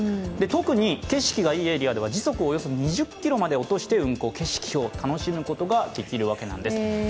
特に景色がいいエリアでは時速およそ２０キロまで落として運行、景色を楽しむことができるわけなんです。